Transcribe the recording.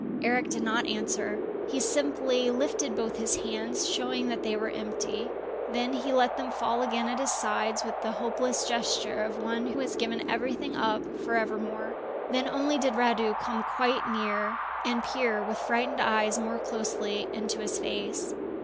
Eric did not answer; he simply lifted both his hands, showing that they were empty; then he let them fall again at his sides with the hopeless gesture of one who has given everything up for ever more. Then only did Radu come quite near and peer with frightened eyes more closely into his face.